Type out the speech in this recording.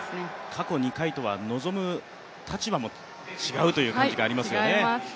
過去２回とは臨む立場も違うという感じがありますね。